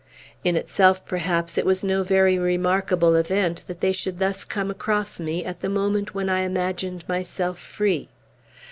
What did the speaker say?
In itself, perhaps, it was no very remarkable event that they should thus come across me, at the moment when I imagined myself free.